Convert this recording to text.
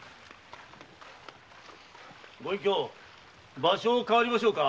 ご隠居場所を代わりましょうか？